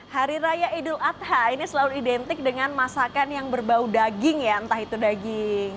hari raya idul adha ini selalu identik dengan masakan yang berbau daging ya entah itu daging